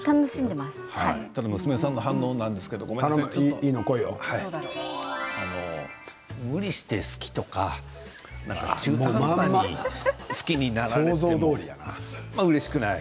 ただ娘さんの反応なんですけれどもごめんなさい、無理して好きとか中途半端に好きになられてもうれしくない。